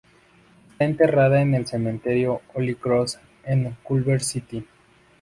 Está enterrada en el cementerio Holy Cross, en Culver City.